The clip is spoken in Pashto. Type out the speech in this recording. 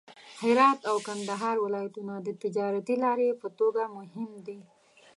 هرات او کندهار ولایتونه د تجارتي لارې په توګه مهم دي.